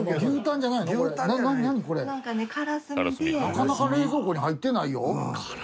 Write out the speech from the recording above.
なかなか冷蔵庫に入ってないよ。